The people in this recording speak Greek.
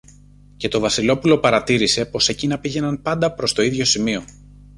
και το Βασιλόπουλο παρατήρησε πως εκείνα πήγαιναν πάντα προς το ίδιο σημείο